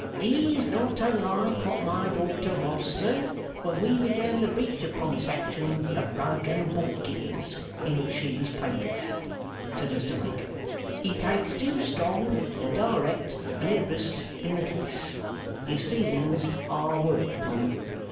'He is not unlike what my daughter was, sir, when we began the Breach of Promise action of Rugg and Bawkins, in which she was Plaintiff,' said Mr Rugg. 'He takes too strong and direct an interest in the case. His feelings are worked upon.